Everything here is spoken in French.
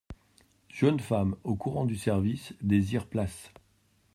Jeune femme, au courant du service, désire place.